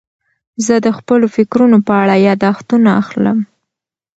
زه د خپلو فکرونو په اړه یاداښتونه اخلم.